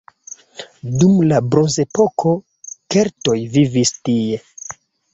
Dum la bronzepoko keltoj vivis tie.